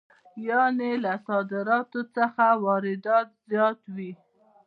یانې له صادراتو څخه یې واردات زیات وي